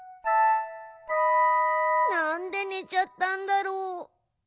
なんでねちゃったんだろう？